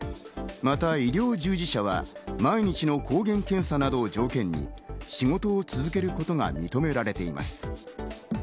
また医療従事者は毎日の抗原検査などを条件に仕事を続けることが認められています。